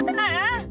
udah jepetan ya